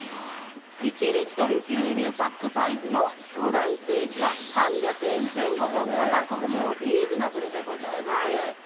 １リットル牛乳パックサイズの巨大スイーツは３００円前後と価格もリーズナブルでございます。